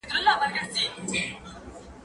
هغه وويل چي تمرين مهم دي،